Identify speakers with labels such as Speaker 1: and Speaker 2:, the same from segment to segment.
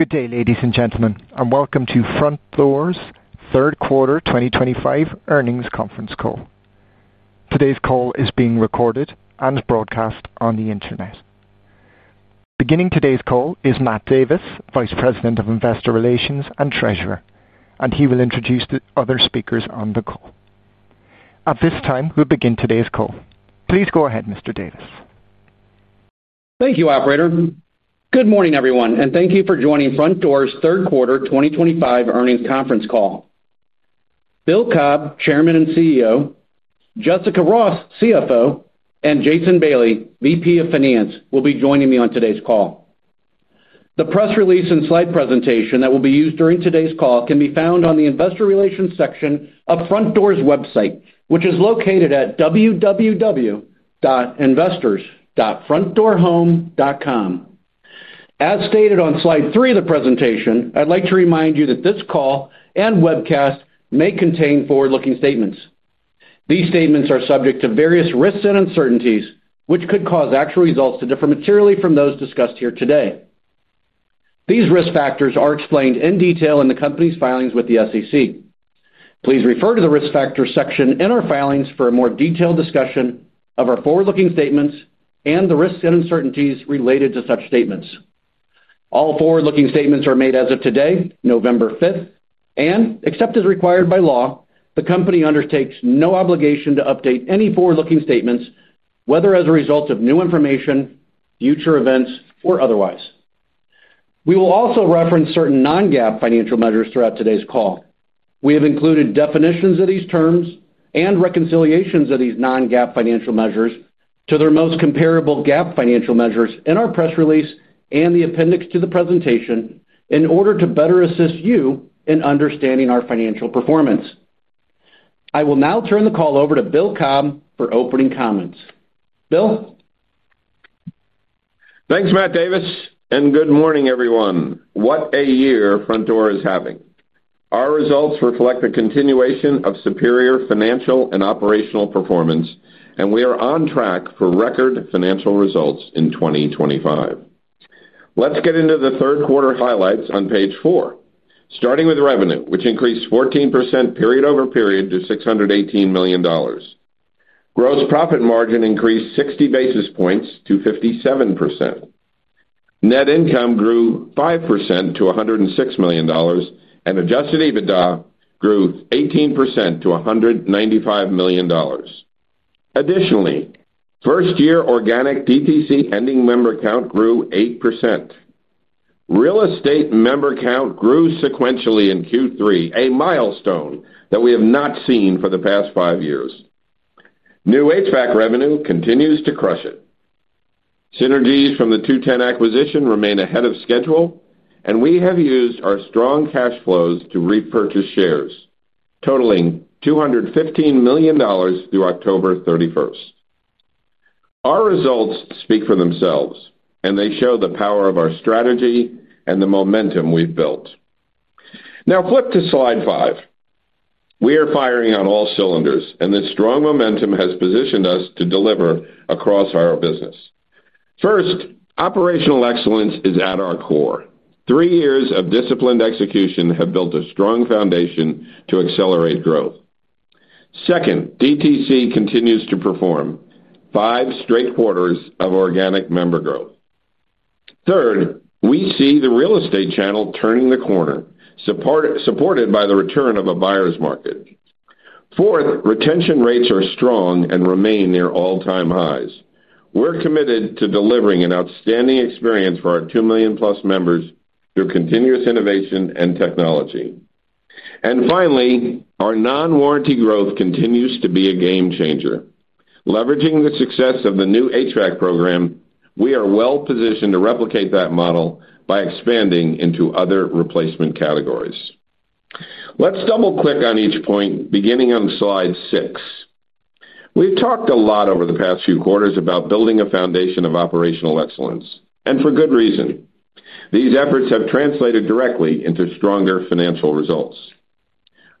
Speaker 1: Good day, ladies and gentlemen, and welcome to Frontdoor's third quarter 2025 earnings conference call. Today's call is being recorded and broadcast on the internet. Beginning today's call is Matt Davis, Vice President of Investor Relations and Treasurer, and he will introduce the other speakers on the call. At this time, we'll begin today's call. Please go ahead, Mr. Davis.
Speaker 2: Thank you, Operator. Good morning, everyone, and thank you for joining Frontdoor's third quarter 2025 earnings conference call. Bill Cobb, Chairman and CEO; Jessica Ross, CFO; and Jason Bailey, VP of Finance, will be joining me on today's call. The press release and slide presentation that will be used during today's call can be found on the Investor Relations section of Frontdoor's website, which is located at www.investors.frontdoorhome.com. As stated on slide three of the presentation, I'd like to remind you that this call and webcast may contain forward-looking statements. These statements are subject to various risks and uncertainties, which could cause actual results to differ materially from those discussed here today. These risk factors are explained in detail in the company's filings with the SEC. Please refer to the risk factors section in our filings for a more detailed discussion of our forward-looking statements and the risks and uncertainties related to such statements. All forward-looking statements are made as of today, November 5th, and, except as required by law, the company undertakes no obligation to update any forward-looking statements, whether as a result of new information, future events, or otherwise. We will also reference certain non-GAAP financial measures throughout today's call. We have included definitions of these terms and reconciliations of these non-GAAP financial measures to their most comparable GAAP financial measures in our press release and the appendix to the presentation in order to better assist you in understanding our financial performance. I will now turn the call over to Bill Cobb for opening comments. Bill.
Speaker 3: Thanks, Matt Davis, and good morning, everyone. What a year Frontdoor is having. Our results reflect the continuation of superior financial and operational performance, and we are on track for record financial results in 2025. Let's get into the third quarter highlights on page four. Starting with revenue, which increased 14% period-over-period to $618 million. Gross profit margin increased 60 basis points to 57%. Net income grew 5% to $106 million, and adjusted EBITDA grew 18% to $195 million. Additionally, first-year organic DTC ending member count grew 8%. Real estate member count grew sequentially in Q3, a milestone that we have not seen for the past five years. New HVAC revenue continues to crush it. Synergies from the 2-10 acquisition remain ahead of schedule, and we have used our strong cash flows to repurchase shares, totaling $215 million through October 31st. Our results speak for themselves, and they show the power of our strategy and the momentum we've built. Now, flip to slide five. We are firing on all cylinders, and this strong momentum has positioned us to deliver across our business. First, operational excellence is at our core. Three years of disciplined execution have built a strong foundation to accelerate growth. Second, DTC continues to perform. Five straight quarters of organic member growth. Third, we see the real estate channel turning the corner, supported by the return of a buyer's market. Fourth, retention rates are strong and remain near all-time highs. We're committed to delivering an outstanding experience for our 2+ million members through continuous innovation and technology. Finally, our non-warranty growth continues to be a game changer. Leveraging the success of the new HVAC program, we are well-positioned to replicate that model by expanding into other replacement categories. Let's double-click on each point, beginning on slide six. We've talked a lot over the past few quarters about building a foundation of operational excellence, and for good reason. These efforts have translated directly into stronger financial results.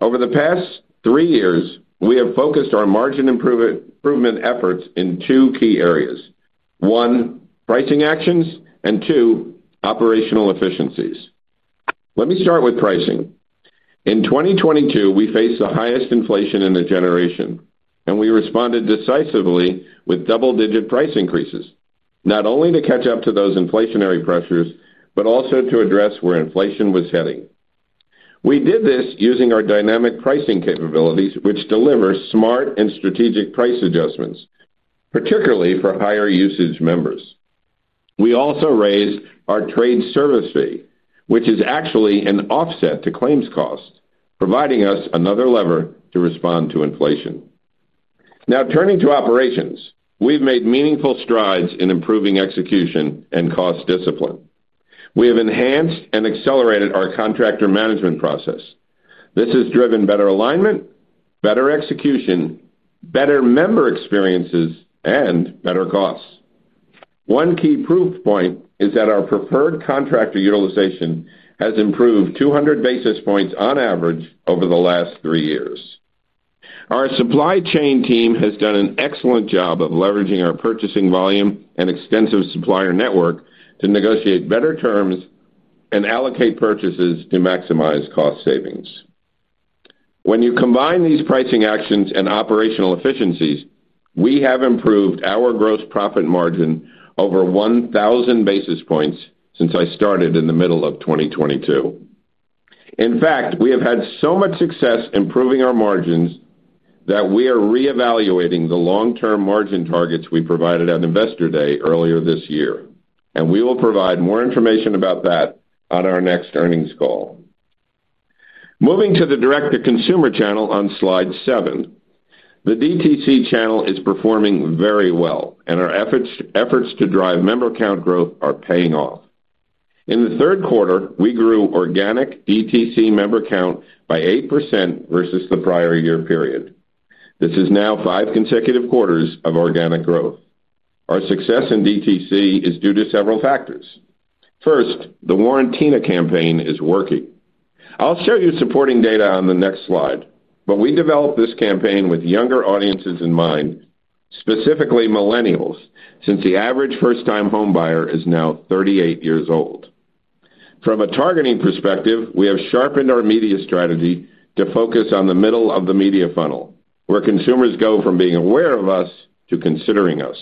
Speaker 3: Over the past three years, we have focused our margin improvement efforts in two key areas: one, pricing actions; and two, operational efficiencies. Let me start with pricing. In 2022, we faced the highest inflation in a generation, and we responded decisively with double-digit price increases, not only to catch up to those inflationary pressures but also to address where inflation was heading. We did this using our dynamic pricing capabilities, which deliver smart and strategic price adjustments, particularly for higher usage members. We also raised our trade service fee, which is actually an offset to claims costs, providing us another lever to respond to inflation. Now, turning to operations, we've made meaningful strides in improving execution and cost discipline. We have enhanced and accelerated our contractor management process. This has driven better alignment, better execution, better member experiences, and better costs. One key proof point is that our preferred contractor utilization has improved 200 basis points on average over the last three years. Our supply chain team has done an excellent job of leveraging our purchasing volume and extensive supplier network to negotiate better terms and allocate purchases to maximize cost savings. When you combine these pricing actions and operational efficiencies, we have improved our gross profit margin over 1,000 basis points since I started in the middle of 2022. In fact, we have had so much success improving our margins that we are reevaluating the long-term margin targets we provided on Investor Day earlier this year, and we will provide more information about that on our next earnings call. Moving to the direct-to-consumer channel on slide seven, the DTC channel is performing very well, and our efforts to drive member count growth are paying off. In the third quarter, we grew organic DTC member count by 8% versus the prior year period. This is now five consecutive quarters of organic growth. Our success in DTC is due to several factors. First, the Warrantina campaign is working. I'll show you supporting data on the next slide, but we developed this campaign with younger audiences in mind, specifically millennials, since the average first-time home buyer is now 38 years old. From a targeting perspective, we have sharpened our media strategy to focus on the middle of the media funnel, where consumers go from being aware of us to considering us.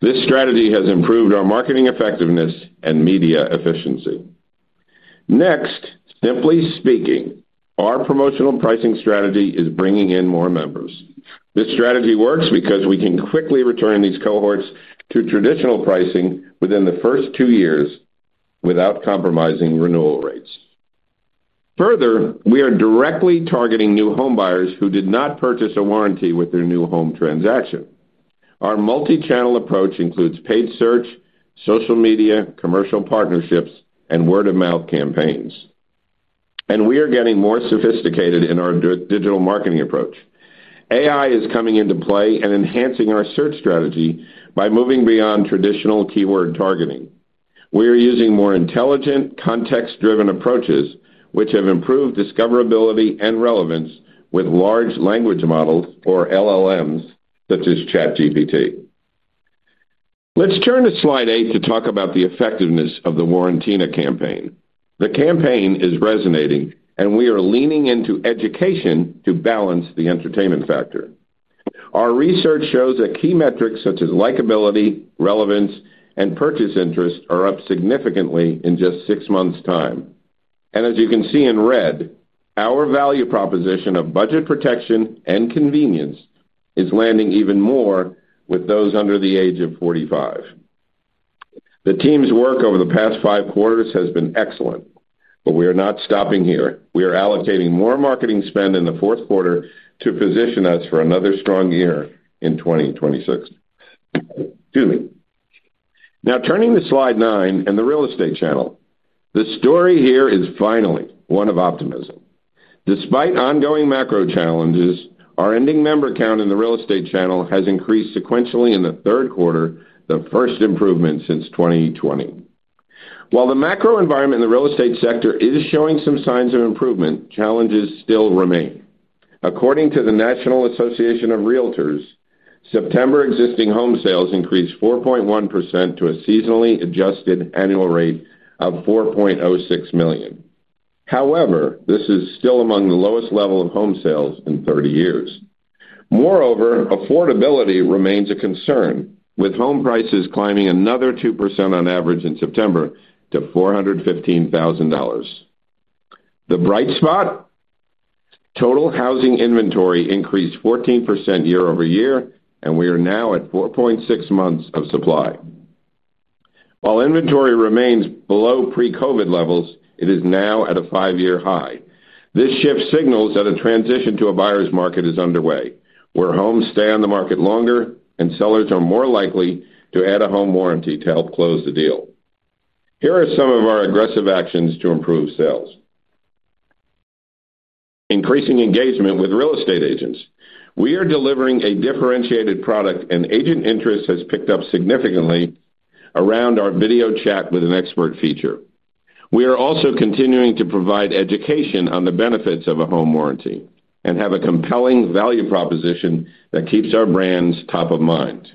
Speaker 3: This strategy has improved our marketing effectiveness and media efficiency. Next, simply speaking, our promotional pricing strategy is bringing in more members. This strategy works because we can quickly return these cohorts to traditional pricing within the first two years without compromising renewal rates. Further, we are directly targeting new home buyers who did not purchase a warranty with their new home transaction. Our multi-channel approach includes paid search, social media, commercial partnerships, and word-of-mouth campaigns. We are getting more sophisticated in our digital marketing approach. AI is coming into play and enhancing our search strategy by moving beyond traditional keyword targeting. We are using more intelligent, context-driven approaches, which have improved discoverability and relevance with large language models, or LLMs, such as ChatGPT. Let's turn to slide eight to talk about the effectiveness of the Warrantina campaign. The campaign is resonating, and we are leaning into education to balance the entertainment factor. Our research shows that key metrics such as likability, relevance, and purchase interest are up significantly in just six months' time. As you can see in red, our value proposition of budget protection and convenience is landing even more with those under the age of 45. The team's work over the past five quarters has been excellent, but we are not stopping here. We are allocating more marketing spend in the fourth quarter to position us for another strong year in 2026. Excuse me. Now, turning to slide nine and the real estate channel, the story here is finally one of optimism. Despite ongoing macro challenges, our ending member count in the real estate channel has increased sequentially in the third quarter, the first improvement since 2020. While the macro environment in the real estate sector is showing some signs of improvement, challenges still remain. According to the National Association of Realtors, September existing home sales increased 4.1% to a seasonally adjusted annual rate of 4.06 million. However, this is still among the lowest level of home sales in 30 years. Moreover, affordability remains a concern, with home prices climbing another 2% on average in September to $415,000. The bright spot? Total housing inventory increased 14% year-over-year, and we are now at 4.6 months of supply. While inventory remains below pre-COVID levels, it is now at a five-year high. This shift signals that a transition to a buyer's market is underway, where homes stay on the market longer and sellers are more likely to add a home warranty to help close the deal. Here are some of our aggressive actions to improve sales. Increasing engagement with real estate agents. We are delivering a differentiated product, and agent interest has picked up significantly around our video chat with an expert feature. We are also continuing to provide education on the benefits of a home warranty and have a compelling value proposition that keeps our brands top of mind.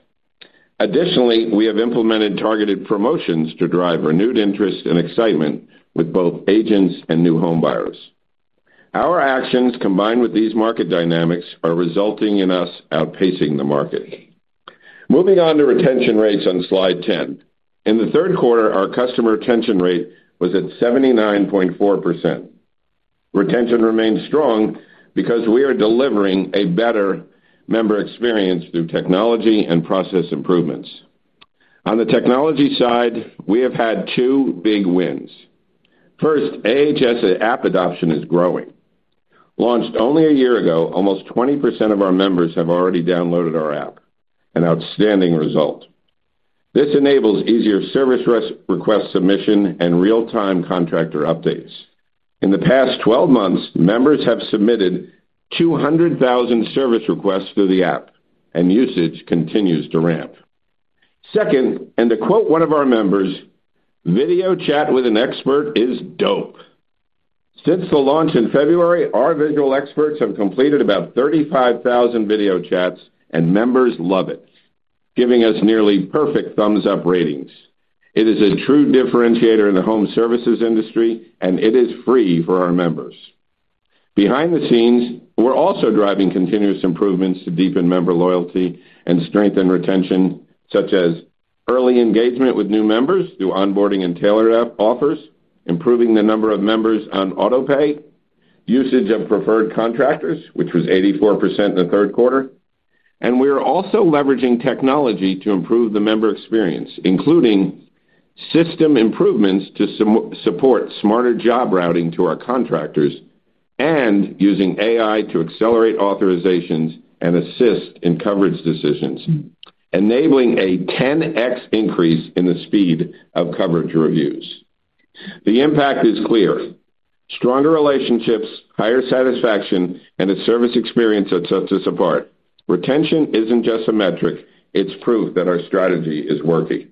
Speaker 3: Additionally, we have implemented targeted promotions to drive renewed interest and excitement with both agents and new home buyers. Our actions, combined with these market dynamics, are resulting in us outpacing the market. Moving on to retention rates on slide 10. In the third quarter, our customer retention rate was at 79.4%. Retention remains strong because we are delivering a better member experience through technology and process improvements. On the technology side, we have had two big wins. First, AHS app adoption is growing. Launched only a year ago, almost 20% of our members have already downloaded our app, an outstanding result. This enables easier service request submission and real-time contractor updates. In the past 12 months, members have submitted 200,000 service requests through the app, and usage continues to ramp. Second, and to quote one of our members, "Video chat with an expert is dope." Since the launch in February, our visual experts have completed about 35,000 video chats, and members love it, giving us nearly perfect thumbs-up ratings. It is a true differentiator in the home services industry, and it is free for our members. Behind the scenes, we're also driving continuous improvements to deepen member loyalty and strengthen retention, such as early engagement with new members through onboarding and tailored offers, improving the number of members on autopay, usage of preferred contractors, which was 84% in the third quarter. We are also leveraging technology to improve the member experience, including system improvements to support smarter job routing to our contractors and using AI to accelerate authorizations and assist in coverage decisions, enabling a 10x increase in the speed of coverage reviews. The impact is clear. Stronger relationships, higher satisfaction, and a service experience that sets us apart. Retention isn't just a metric, it's proof that our strategy is working.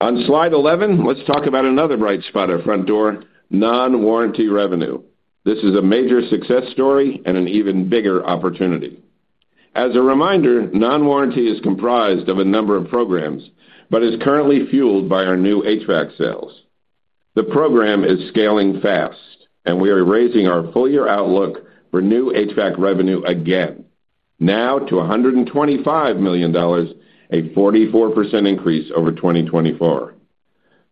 Speaker 3: On slide 11, let's talk about another bright spot at Frontdoor: non-warranty revenue. This is a major success story and an even bigger opportunity. As a reminder, non-warranty is comprised of a number of programs but is currently fueled by our new HVAC sales. The program is scaling fast, and we are raising our full-year outlook for new HVAC revenue again, now to $125 million, a 44% increase over 2024.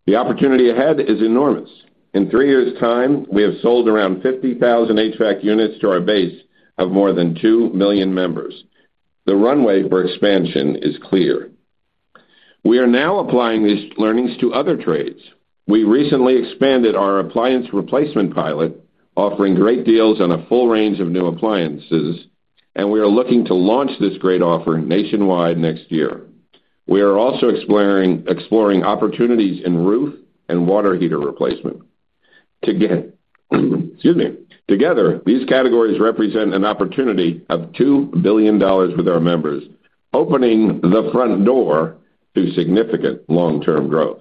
Speaker 3: The opportunity ahead is enormous. In three years' time, we have sold around 50,000 HVAC units to our base of more than 2 million members. The runway for expansion is clear. We are now applying these learnings to other trades. We recently expanded our appliance replacement pilot, offering great deals on a full range of new appliances, and we are looking to launch this great offering nationwide next year. We are also exploring opportunities in roof and water heater replacement. Excuse me. Together, these categories represent an opportunity of $2 billion with our members, opening the Frontdoor to significant long-term growth.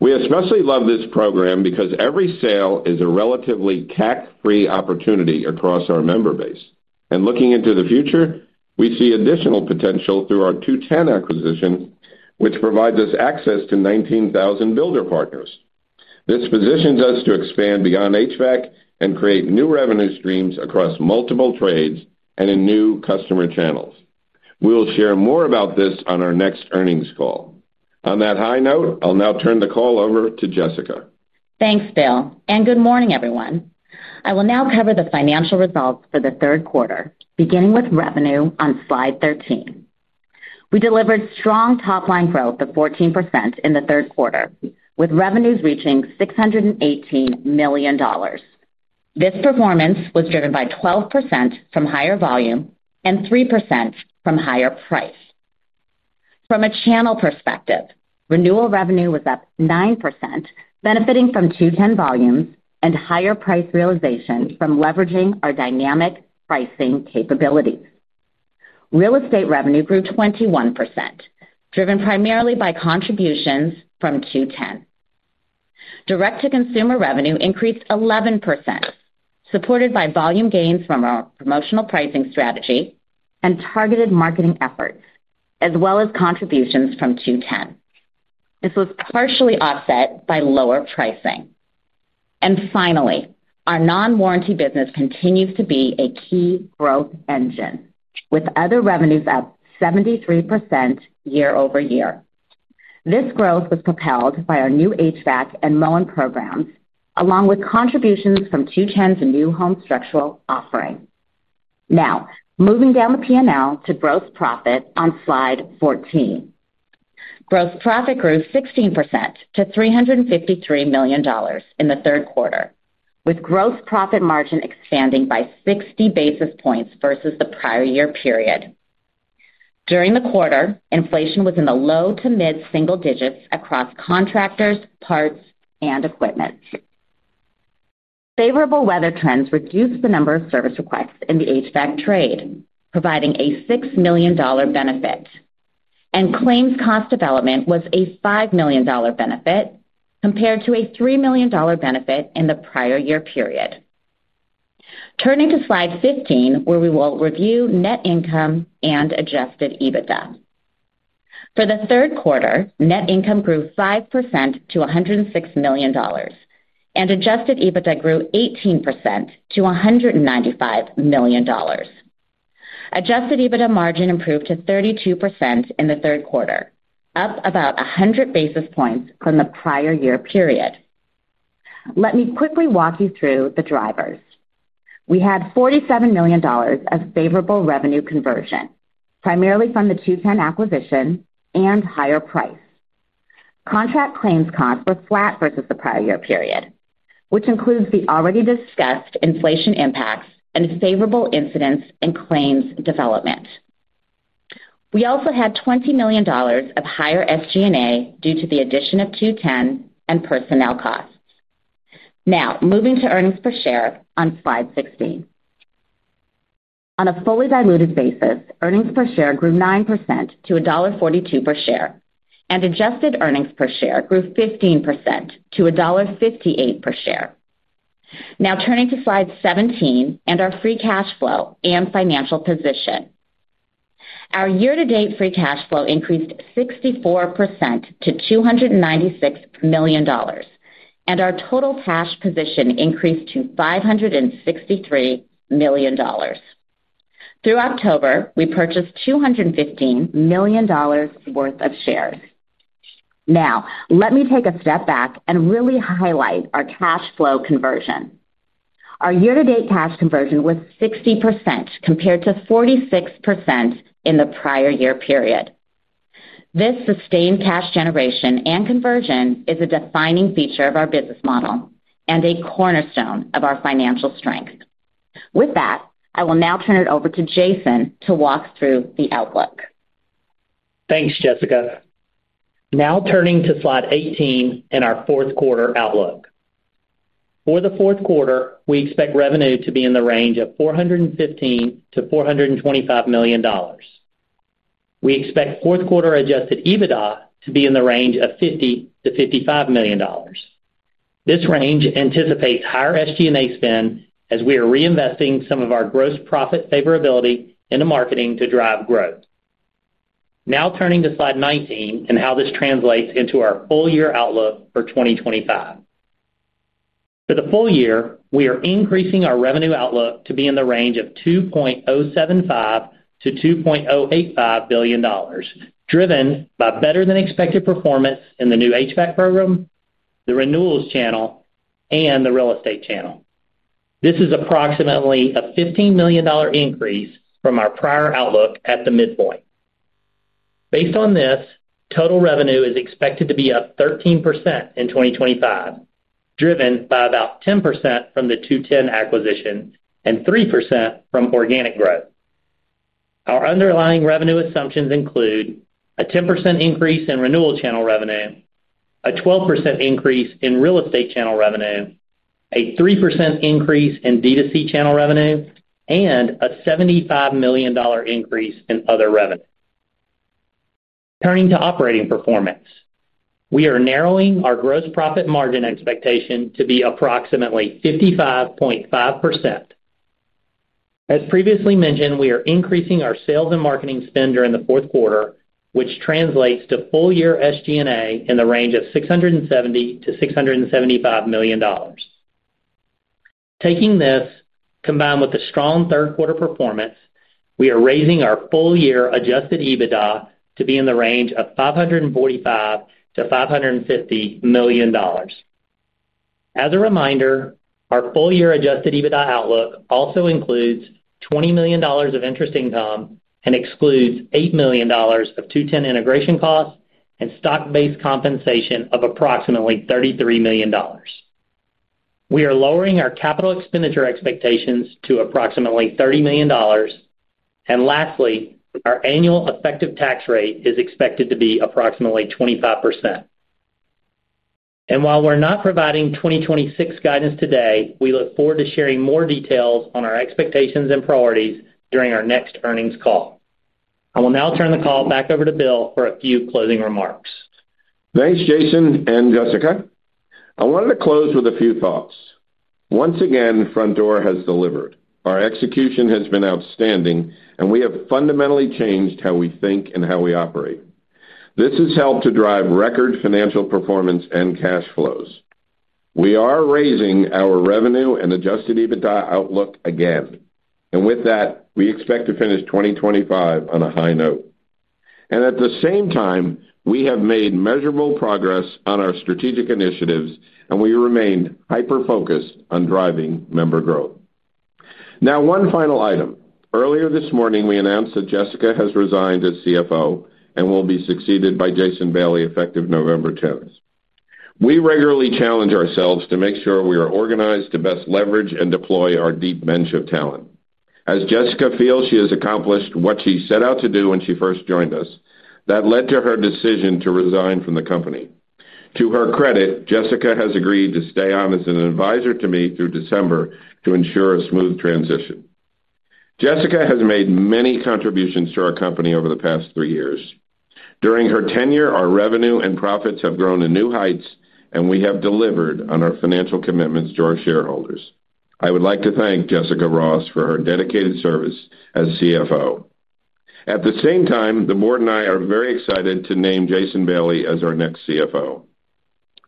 Speaker 3: We especially love this program because every sale is a relatively CAC-free opportunity across our member base. Looking into the future, we see additional potential through our 2-10 acquisition, which provides us access to 19,000 builder partners. This positions us to expand beyond HVAC and create new revenue streams across multiple trades and in new customer channels. We will share more about this on our next earnings call. On that high note, I'll now turn the call over to Jessica.
Speaker 4: Thanks, Bill. Good morning, everyone. I will now cover the financial results for the third quarter, beginning with revenue on slide 13. We delivered strong top-line growth of 14% in the third quarter, with revenues reaching $618 million. This performance was driven by 12% from higher volume and 3% from higher price. From a channel perspective, renewal revenue was up 9%, benefiting from 2-10 volumes and higher price realization from leveraging our dynamic pricing capabilities. Real estate revenue grew 21%, driven primarily by contributions from 2-10. Direct-to-consumer revenue increased 11%, supported by volume gains from our promotional pricing strategy and targeted marketing efforts, as well as contributions from 2-10. This was partially offset by lower pricing. Finally, our non-warranty business continues to be a key growth engine, with other revenues up 73% year-over-year. This growth was propelled by our new HVAC and mowing programs, along with contributions from 2-10 to new home structural offering. Now, moving down the P&L to gross profit on slide 14. Gross profit grew 16% to $353 million in the third quarter, with gross profit margin expanding by 60 basis points versus the prior year period. During the quarter, inflation was in the low to mid single digits across contractors, parts, and equipment. Favorable weather trends reduced the number of service requests in the HVAC trade, providing a $6 million benefit. Claims cost development was a $5 million benefit compared to a $3 million benefit in the prior year period. Turning to slide 15, where we will review net income and adjusted EBITDA. For the third quarter, net income grew 5% to $106 million, and adjusted EBITDA grew 18% to $195 million. Adjusted EBITDA margin improved to 32% in the third quarter, up about 100 basis points from the prior year period. Let me quickly walk you through the drivers. We had $47 million of favorable revenue conversion, primarily from the 2-10 acquisition and higher price. Contract claims costs were flat versus the prior year period, which includes the already discussed inflation impacts and favorable incidents in claims development. We also had $20 million of higher SG&A due to the addition of 2-10 and personnel costs. Now, moving to earnings per share on slide 16. On a fully diluted basis, earnings per share grew 9% to $1.42 per share, and adjusted earnings per share grew 15% to $1.58 per share. Now, turning to slide 17 and our free cash flow and financial position. Our year-to-date free cash flow increased 64% to $296 million, and our total cash position increased to $563 million. Through October, we purchased $215 million worth of shares. Now, let me take a step back and really highlight our cash flow conversion. Our year-to-date cash conversion was 60% compared to 46% in the prior year period. This sustained cash generation and conversion is a defining feature of our business model and a cornerstone of our financial strength. With that, I will now turn it over to Jason to walk through the outlook.
Speaker 5: Thanks, Jessica. Now, turning to slide 18 in our fourth quarter outlook. For the fourth quarter, we expect revenue to be in the range of $415 million-$425 million. We expect fourth quarter adjusted EBITDA to be in the range of $50 million-$55 million. This range anticipates higher SG&A spend as we are reinvesting some of our gross profit favorability into marketing to drive growth. Now, turning to slide 19 and how this translates into our full-year outlook for 2025. For the full year, we are increasing our revenue outlook to be in the range of $2.075 billion-$2.085 billion, driven by better-than-expected performance in the new HVAC program, the renewals channel, and the real estate channel. This is approximately a $15 million increase from our prior outlook at the midpoint. Based on this, total revenue is expected to be up 13% in 2025, driven by about 10% from the 2-10 acquisition and 3% from organic growth. Our underlying revenue assumptions include a 10% increase in renewal channel revenue, a 12% increase in real estate channel revenue, a 3% increase in DTC channel revenue, and a $75 million increase in other revenue. Turning to operating performance, we are narrowing our gross profit margin expectation to be approximately 55.5%. As previously mentioned, we are increasing our sales and marketing spend during the fourth quarter, which translates to full-year SG&A in the range of $670 million-$675 million. Taking this combined with the strong third-quarter performance, we are raising our full-year adjusted EBITDA to be in the range of $545 million-$550 million. As a reminder, our full-year adjusted EBITDA outlook also includes $20 million of interest income and excludes $8 million of 2-10 integration costs and stock-based compensation of approximately $33 million. We are lowering our capital expenditure expectations to approximately $30 million. Lastly, our annual effective tax rate is expected to be approximately 25%. While we're not providing 2026 guidance today, we look forward to sharing more details on our expectations and priorities during our next earnings call. I will now turn the call back over to Bill for a few closing remarks.
Speaker 3: Thanks, Jason and Jessica. I wanted to close with a few thoughts. Once again, Frontdoor has delivered. Our execution has been outstanding, and we have fundamentally changed how we think and how we operate. This has helped to drive record financial performance and cash flows. We are raising our revenue and adjusted EBITDA outlook again. With that, we expect to finish 2025 on a high note. At the same time, we have made measurable progress on our strategic initiatives, and we remained hyper-focused on driving member growth. Now, one final item. Earlier this morning, we announced that Jessica has resigned as CFO and will be succeeded by Jason Bailey effective November 10th. We regularly challenge ourselves to make sure we are organized to best leverage and deploy our deep bench of talent. As Jessica feels she has accomplished what she set out to do when she first joined us, that led to her decision to resign from the company. To her credit, Jessica has agreed to stay on as an advisor to me through December to ensure a smooth transition. Jessica has made many contributions to our company over the past three years. During her tenure, our revenue and profits have grown to new heights, and we have delivered on our financial commitments to our shareholders. I would like to thank Jessica Ross for her dedicated service as CFO. At the same time, the board and I are very excited to name Jason Bailey as our next CFO.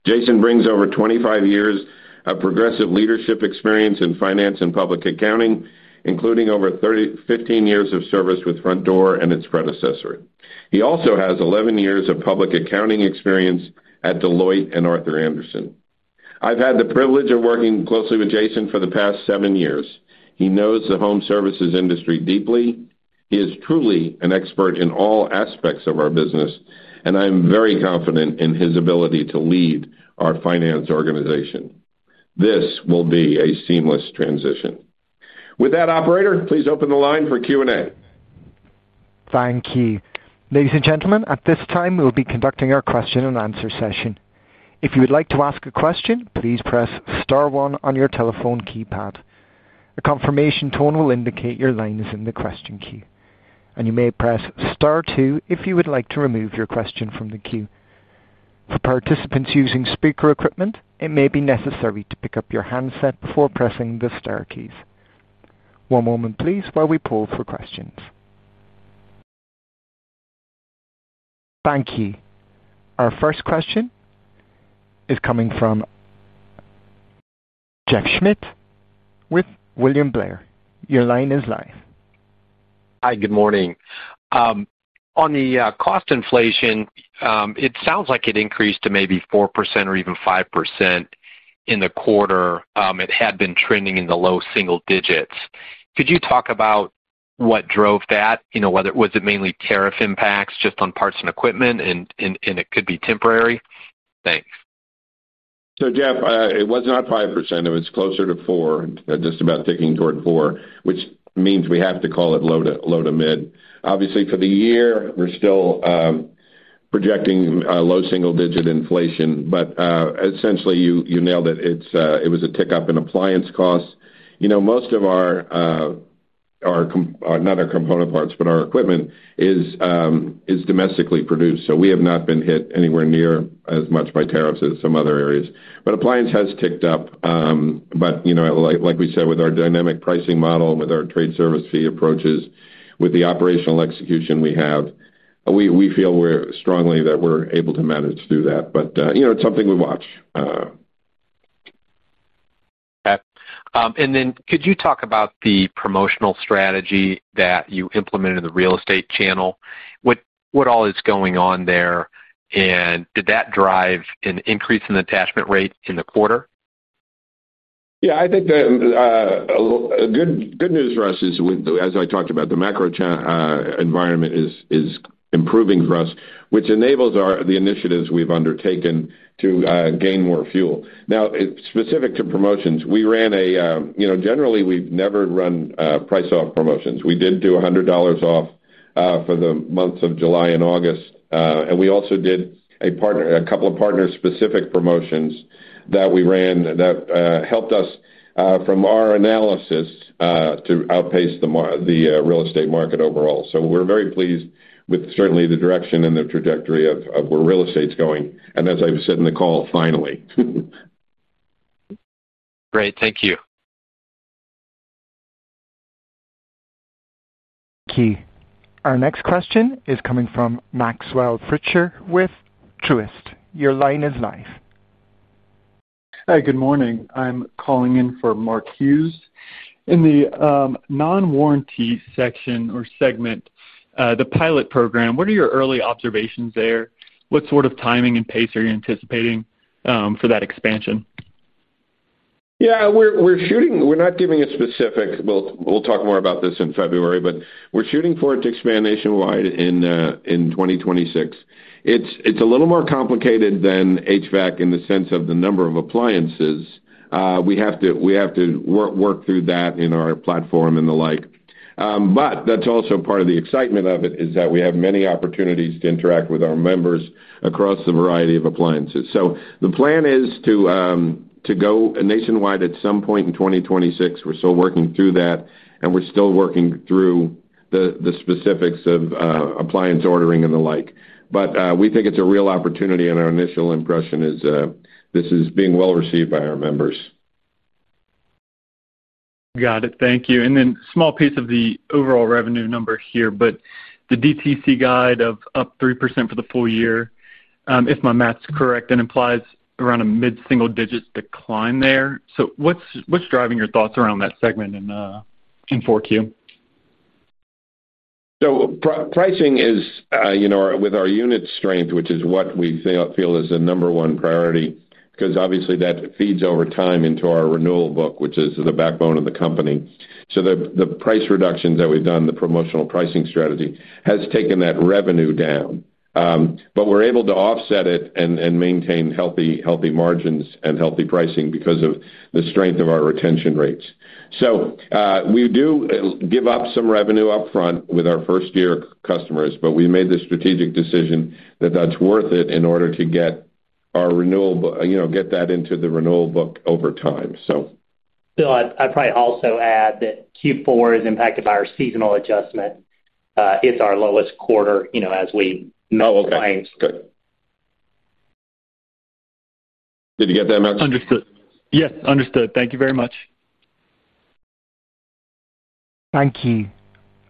Speaker 3: Jason brings over 25 years of progressive leadership experience in finance and public accounting, including over 15 years of service with Frontdoor and its predecessor. He also has 11 years of public accounting experience at Deloitte and Arthur Andersen. I've had the privilege of working closely with Jason for the past seven years. He knows the home services industry deeply. He is truly an expert in all aspects of our business, and I am very confident in his ability to lead our finance organization. This will be a seamless transition. With that, operator, please open the line for Q&A.
Speaker 1: Thank you. Ladies and gentlemen, at this time, we will be conducting our question-and-answer session. If you would like to ask a question, please press star one on your telephone keypad. A confirmation tone will indicate your line is in the question queue, and you may press star two if you would like to remove your question from the queue. For participants using speaker equipment, it may be necessary to pick up your handset before pressing the star keys. One moment, please, while we poll for questions. Thank you. Our first question is coming from Jeff Schmitt with William Blair. Your line is live.
Speaker 6: Hi, good morning. On the cost inflation, it sounds like it increased to maybe 4% or even 5% in the quarter. It had been trending in the low single digits. Could you talk about what drove that? Was it mainly tariff impacts just on parts and equipment, and it could be temporary? Thanks.
Speaker 3: Jeff, it was not 5%. It was closer to 4%, just about ticking toward 4%, which means we have to call it low to mid. Obviously, for the year, we're still projecting low single-digit inflation, but essentially, you nailed it. It was a tick up in appliance costs. Most of our equipment is domestically produced, so we have not been hit anywhere near as much by tariffs as some other areas. Appliance has ticked up. Like we said, with our dynamic pricing model and with our trade service fee approaches, with the operational execution we have, we feel strongly that we're able to manage through that. It is something we watch.
Speaker 6: Okay. Could you talk about the promotional strategy that you implemented in the real estate channel? What all is going on there? Did that drive an increase in attachment rate in the quarter?
Speaker 3: I think good news for us is, as I talked about, the macro environment is improving for us, which enables the initiatives we've undertaken to gain more fuel. Now, specific to promotions, we ran a, generally, we've never run price-off promotions. We did do $100 off for the months of July and August. We also did a couple of partner-specific promotions that we ran that helped us, from our analysis, to outpace the real estate market overall. We are very pleased with, certainly, the direction and the trajectory of where real estate's going. As I said in the call, finally.
Speaker 6: Great. Thank you.
Speaker 1: Thank you. Our next question is coming from Maxwell Fritzscher with Truist. Your line is live.
Speaker 7: Hi, good morning. I'm calling in for Mark Hughes. In the non-warranty section or segment, the pilot program, what are your early observations there? What sort of timing and pace are you anticipating for that expansion?
Speaker 3: Yeah, we're not giving a specific, we'll talk more about this in February but we're shooting for it to expand nationwide in 2026. It's a little more complicated than HVAC in the sense of the number of appliances. We have to work through that in our platform and the like. That is also part of the excitement of it, is that we have many opportunities to interact with our members across the variety of appliances. The plan is to go nationwide at some point in 2026. We are still working through that, and we are still working through the specifics of appliance ordering and the like. We think it is a real opportunity, and our initial impression is this is being well received by our members.
Speaker 7: Got it. Thank you. A small piece of the overall revenue number here, but the DTC guide of up 3% for the full year, if my math is correct, implies around a mid-single-digit decline there. What is driving your thoughts around that segment in Q4?
Speaker 3: Pricing is with our unit strength, which is what we feel is the number one priority, because obviously, that feeds over time into our renewal book, which is the backbone of the company. The price reductions that we've done, the promotional pricing strategy, has taken that revenue down. We are able to offset it and maintain healthy margins and healthy pricing because of the strength of our retention rates. We do give up some revenue upfront with our first-year customers, but we made the strategic decision that that's worth it in order to get our renewal, get that into the renewal book over time.
Speaker 5: I'd probably also add that Q4 is impacted by our seasonal adjustment. It's our lowest quarter as we know appliance.
Speaker 3: Did you get that, Max?
Speaker 7: Understood. Yes, understood. Thank you very much.
Speaker 1: Thank you.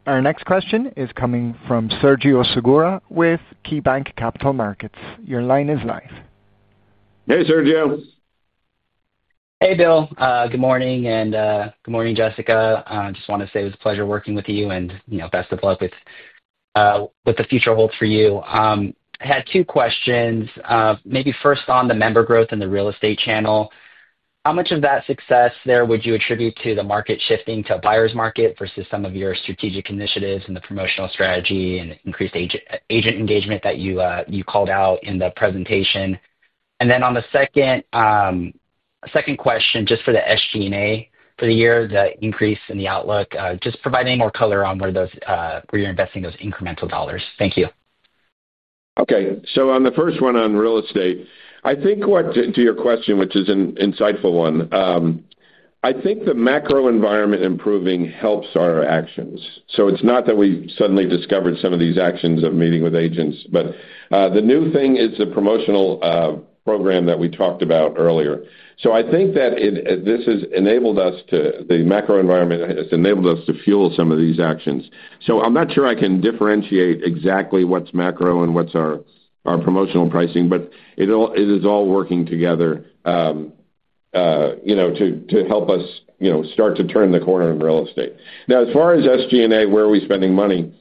Speaker 1: Our next question is coming from Sergio Segura with KeyBank Capital Markets. Your line is live.
Speaker 3: Hey, Sergio.
Speaker 8: Hey, Bill. Good morning. And good morning, Jessica. I just want to say it was a pleasure working with you and best of luck with what the future holds for you. I had two questions. Maybe first on the member growth and the real estate channel, how much of that success there would you attribute to the market shifting to a buyer's market versus some of your strategic initiatives and the promotional strategy and increased agent engagement that you called out in the presentation? On the second question, just for the SG&A for the year, the increase in the outlook, just provide any more color on where you're investing those incremental dollars. Thank you.
Speaker 3: Okay. On the first one on real estate, I think to your question, which is an insightful one, I think the macro environment improving helps our actions. It is not that we suddenly discovered some of these actions of meeting with agents, but the new thing is the promotional program that we talked about earlier. I think that this has enabled us to, the macro environment has enabled us to fuel some of these actions. I am not sure I can differentiate exactly what is macro and what is our promotional pricing, but it is all working together to help us start to turn the corner in real estate. Now, as far as SG&A, where are we spending money?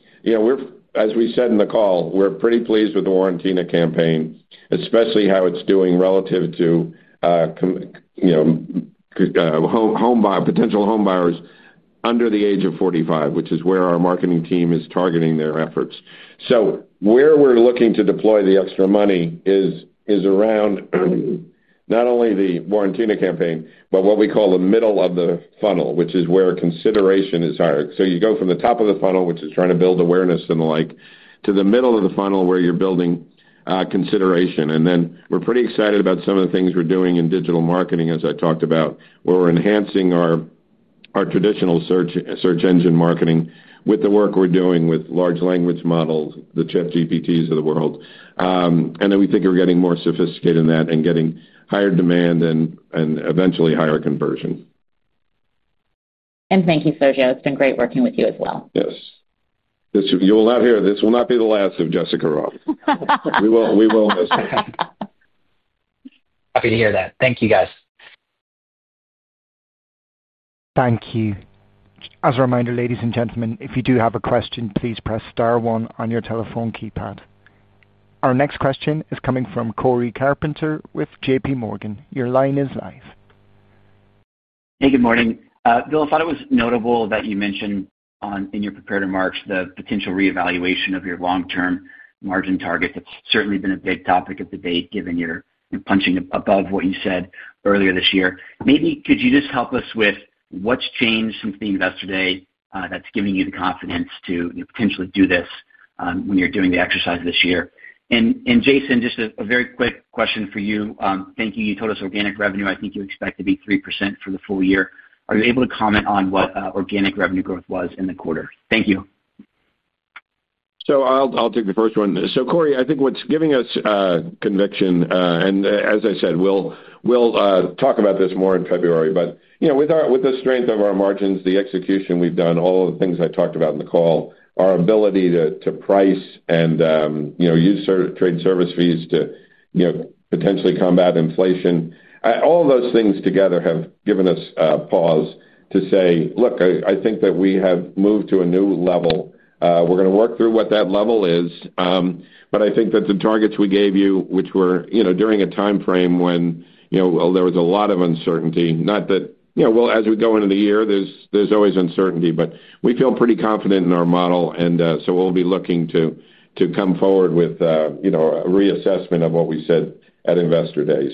Speaker 3: As we said in the call, we are pretty pleased with the Warrantina campaign, especially how it is doing relative to potential home buyers under the age of 45 years, which is where our marketing team is targeting their efforts. Where we are looking to deploy the extra money is around not only the Warrantina campaign, but what we call the middle of the funnel, which is where consideration is higher. You go from the top of the funnel, which is trying to build awareness and the like, to the middle of the funnel where you are building consideration. We are pretty excited about some of the things we are doing in digital marketing, as I talked about, where we are enhancing our traditional search engine marketing with the work we are doing with large language models, the ChatGPTs of the world. We think we are getting more sophisticated in that and getting higher demand and eventually higher conversion.
Speaker 4: Thank you, Sergio. It has been great working with you as well.
Speaker 3: Yes. You will not hear, this will not be the last of Jessica Ross. We will miss her.
Speaker 8: Happy to hear that. Thank you, guys.
Speaker 1: Thank you. As a reminder, ladies and gentlemen, if you do have a question, please press star one on your telephone keypad. Our next question is coming from Cory Carpenter with JPMorgan. Your line is live.
Speaker 9: Hey, good morning. Bill, I thought it was notable that you mentioned in your prepared remarks the potential reevaluation of your long-term margin target. That's certainly been a big topic of the date given your punching above what you said earlier this year. Maybe could you just help us with what's changed since the investor day that's giving you the confidence to potentially do this when you're doing the exercise this year? And Jason, just a very quick question for you. Thank you. You told us organic revenue, I think you expect to be 3% for the full year. Are you able to comment on what organic revenue growth was in the quarter? Thank you.
Speaker 3: I'll take the first one. Cory, I think what's giving us conviction, and as I said, we'll talk about this more in February, but with the strength of our margins, the execution we've done, all of the things I talked about in the call, our ability to price and use trade service fees to potentially combat inflation, all of those things together have given us a pause to say, "Look, I think that we have moved to a new level." We're going to work through what that level is. I think that the targets we gave you, which were during a timeframe when there was a lot of uncertainty, not that as we go into the year, there's always uncertainty, but we feel pretty confident in our model. We'll be looking to come forward with a reassessment of what we said at investor day.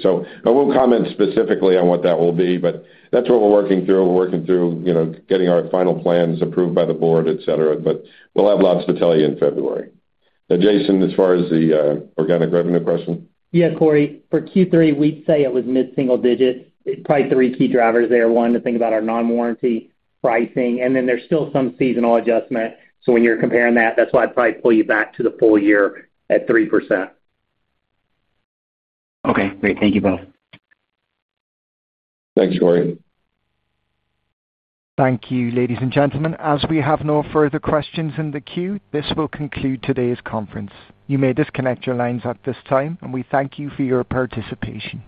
Speaker 3: I won't comment specifically on what that will be, but that's what we're working through. We're working through getting our final plans approved by the board, etc. We'll have lots to tell you in February. Jason, as far as the organic revenue question?
Speaker 5: Yeah, Cory. For Q3, we'd say it was mid-single digits. Probably three key drivers there. One, to think about our non-warranty pricing and then there's still some seasonal adjustment. When you're comparing that, that's why I'd probably pull you back to the full year at 3%.
Speaker 9: Okay. Great. Thank you, Bill.
Speaker 3: Thanks, Cory.
Speaker 1: Thank you, ladies and gentlemen.
Speaker 3: As we have no further questions in the queue, this will conclude today's conference. You may disconnect your lines at this time, and we thank you for your participation.